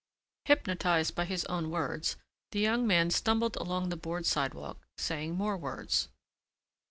Hypnotized by his own words, the young man stumbled along the board sidewalk saying more words.